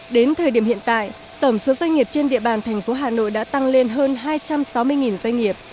đến thời điểm hiện tại tổng số doanh nghiệp trên địa bàn thành phố hà nội đã tăng lên hơn hai trăm sáu mươi doanh nghiệp